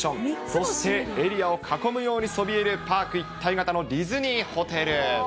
そして、エリアを囲むようにそびえるパーク一体型のディズニーホテル。